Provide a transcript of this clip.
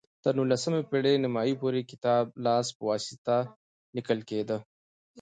تر نولسمې پېړۍ نیمايي پورې کتاب د لاس په واسطه لیکل کېده.